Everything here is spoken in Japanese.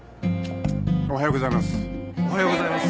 おはようございます。